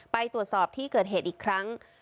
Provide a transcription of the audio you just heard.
ไปตรวจสอบที่เกิดเหตุอีกครั้ง